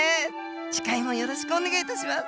次回もよろしくお願い致します。